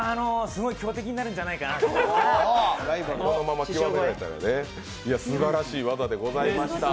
すごい強敵になるんじゃないかなと思いました。